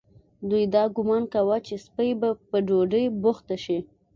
دوی دا ګومان کاوه چې سپۍ به په ډوډۍ بوخته شي.